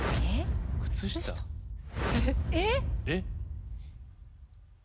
えっ？